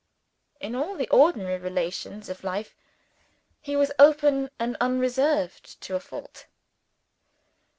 In all the ordinary relations of life, he was open and unreserved to a fault.